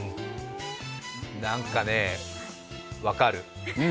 なんかね、分かる。